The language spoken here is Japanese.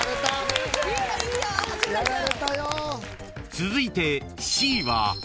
［続いてＣは］